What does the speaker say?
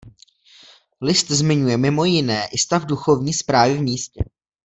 List zmiňuje mimo jiné i stav duchovní správy v místě.